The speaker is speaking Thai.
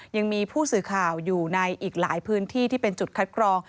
ยังมีผู้สื่อข่าวอยู่ในอีกหลายพื้นที่ที่เป็นจุดคัดกรอง